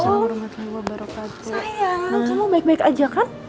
sayang kamu baik baik aja kan